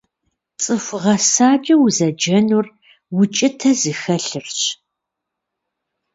ЦӀыху гъэсакӀэ узэджэнур укӀытэ зыхэлъырщ.